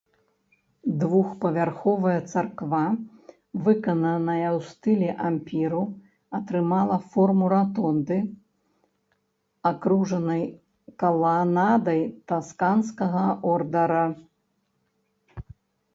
Двухпавярховая царква, выкананая ў стылі ампіру, атрымала форму ратонды, акружанай каланадай тасканскага ордара.